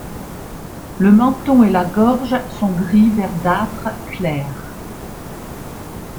Le menton et la gorge sont gris verdâtre clair.